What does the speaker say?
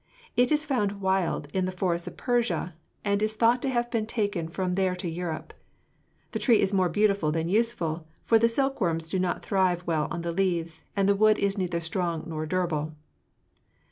It is found wild in the forests of Persia, and is thought to have been taken from there to Europe. The tree is more beautiful than useful, for the silkworms do not thrive well on the leaves and the wood is neither strong nor durable."